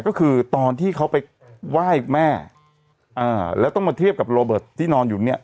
ก็คือตอนที่เขาไปไหว้แม่อ่าแล้วต้องมาเทียบกับโรเบิร์ตที่นอนอยู่เนี่ย